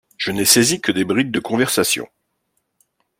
Je n’ai saisi que des brides de conversation.